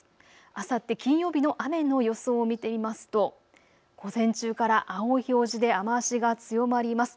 あさって金曜日の雨の予想を見てみますと、午前中から青い表示で雨足が強まります。